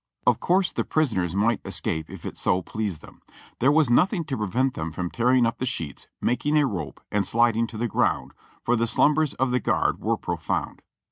Of course the prisoners might escape if it so pleased them ; there was nothing to prevent them from tearing up the sheets, making a rope and sliding to the ground, for the slumbers of the guard were profound.